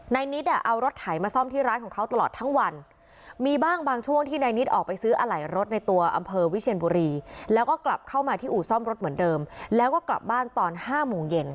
นิดเอารถไถมาซ่อมที่ร้านของเขาตลอดทั้งวันมีบ้างบางช่วงที่นายนิดออกไปซื้ออะไหล่รถในตัวอำเภอวิเชียนบุรีแล้วก็กลับเข้ามาที่อู่ซ่อมรถเหมือนเดิมแล้วก็กลับบ้านตอน๕โมงเย็น